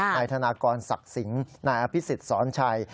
นายธนากรศักดิ์สิงห์นายอภิษฎสอนชัย